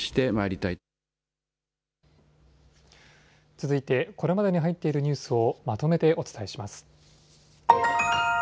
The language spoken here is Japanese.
続いてこれまでに入っているニュースをまとめてお伝えします。